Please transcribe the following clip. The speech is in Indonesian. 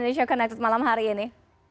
indonesia connected malam hari ini